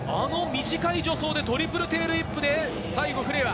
あの短い助走でトリプルテールウィップで最後フレア。